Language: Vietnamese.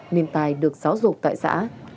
nên tài được xáo ruột tại xã